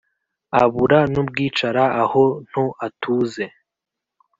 abura n’ubwicara aho nto atuze